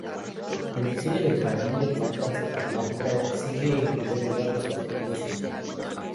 El diseño del jardín de plantas aromáticas sigue en primer lugar los objetivos científicos.